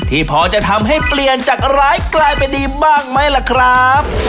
ที่พอจะทำให้เปลี่ยนจากร้ายกลายเป็นดีบ้างไหมล่ะครับ